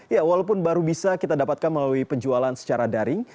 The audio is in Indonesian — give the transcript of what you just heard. ya walaupun baru bisa kita dapatkan melalui penjualan secara daring